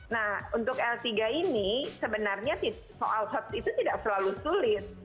nah untuk l tiga ini sebenarnya soal hot itu tidak terlalu sulit